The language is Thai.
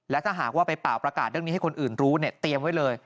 และถ้าหากว่าไปเป่าประกาศเรื่องนี้ให้คนอื่นรู้เนี่ยเตรียมไว้เลย